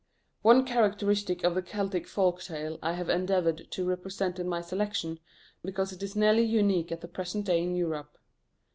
One characteristic of the Celtic folk tale I have endeavoured to represent in my selection, because it is nearly unique at the present day in Europe.